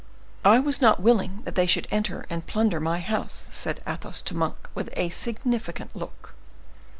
"I was not willing that they should enter and plunder my house," said Athos to Monk, with a significant look.